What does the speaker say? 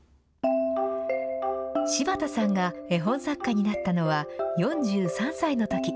柴田さんが絵本作家になったのは、４３歳のとき。